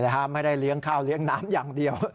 ไม่ได้เลี้ยงข้าวเลี้ยงน้ำอย่างเดียว